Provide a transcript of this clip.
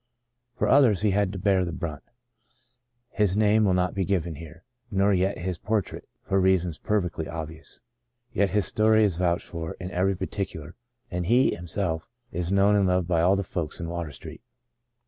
For others he had to bear the brunt. His name will not be given here — nor yet his portrait — for reasons perfectly obvious. Yet his story is vouched for in every particular and he, him self, is known and loved by all the folks in Water Street.